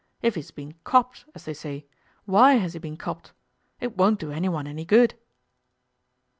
If he's been "copped", as they say, why has he been "copped"? It won't do anyone any good.